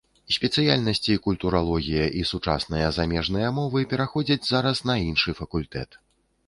Спецыяльнасці культуралогія і сучасныя замежныя мовы пераходзяць зараз на іншы факультэт.